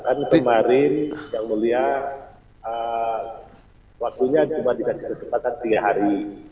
karena kemarin yang mulia waktunya cuma diberi kecepatan tiga hari